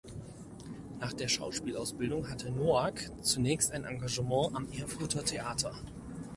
Nach der Schauspielausbildung hatte Noack zunächst ein Engagement am Erfurter Theater.